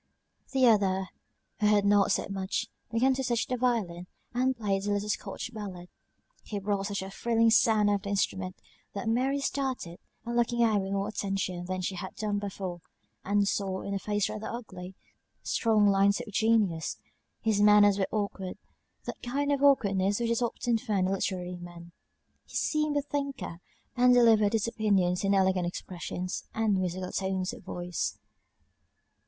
The other, who had not said much, began to touch the violin, and played a little Scotch ballad; he brought such a thrilling sound out of the instrument, that Mary started, and looking at him with more attention than she had done before, and saw, in a face rather ugly, strong lines of genius. His manners were awkward, that kind of awkwardness which is often found in literary men: he seemed a thinker, and delivered his opinions in elegant expressions, and musical tones of voice.